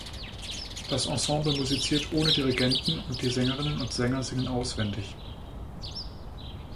Das Ensemble musiziert ohne Dirigenten und die Sängerinnen und Sänger singen auswendig.